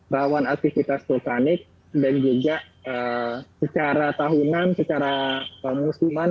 rawan aktivitas vulkanik dan juga secara tahunan secara musiman